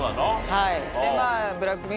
はい。